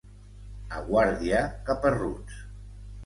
A Guàrdia, caparruts.